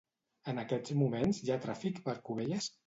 En aquests moments hi ha tràfic per Cubelles?